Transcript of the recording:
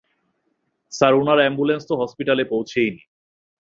Sir উনার ambulance তো hospital পৌছেই নি।